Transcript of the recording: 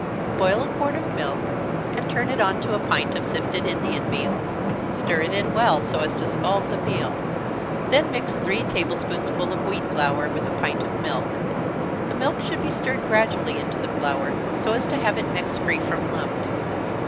_ Boil a quart of milk, and turn it on to a pint of sifted Indian meal. Stir it in well, so as to scald the meal then mix three table spoonsful of wheat flour with a pint of milk. The milk should be stirred gradually into the flour, so as to have it mix free from lumps.